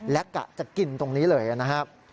และกะจะกินตรงนี้เลยนะครับ